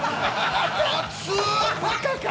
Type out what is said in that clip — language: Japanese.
熱っ！